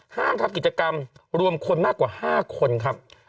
ห้ามทำกิจกรรมรวมคนมากกว่า๕คนครับ